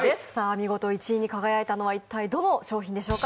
見事１位に輝いたのは一体どの商品でしょうか。